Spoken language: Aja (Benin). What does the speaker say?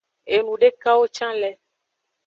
Enudekawo can le.